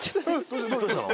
どうしたの？